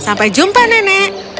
sampai jumpa nenek